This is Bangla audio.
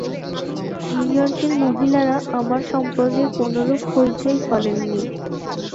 নিউ ইয়র্কের মহিলারা আমার সম্পর্কে কোনরূপ হইচই করেননি।